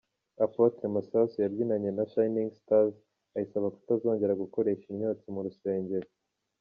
Apotre Masasu yabyinanye na Shining stars ayisaba kutazongera gukoresha imyotsi mu rusengero.